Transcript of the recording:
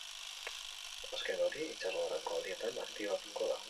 Azken hori, itsasgorako aldietan aktibatuko da.